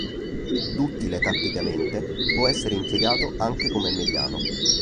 Duttile tatticamente, può essere impiegato anche come mediano.